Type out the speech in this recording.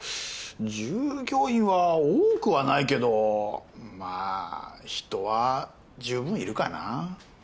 従業員は多くはないけどまあ人は十分いるかな。